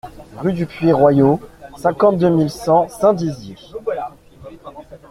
Rue du Puits Royau, cinquante-deux mille cent Saint-Dizier